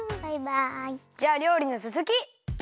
じゃありょうりのつづき！